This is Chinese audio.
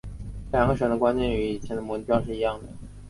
这两个神的观念与以前的摩尼教是一样的。